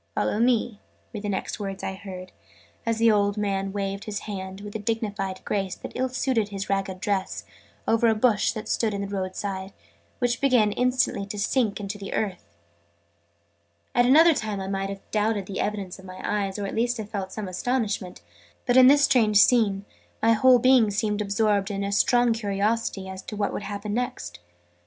"Follow me!" were the next words I heard, as the old man waved his hand, with a dignified grace that ill suited his ragged dress, over a bush, that stood by the road side, which began instantly to sink into the earth. At another time I might have doubted the evidence of my eyes, or at least have felt some astonishment: but, in this strange scene, my whole being seemed absorbed in strong curiosity as to what would happen next.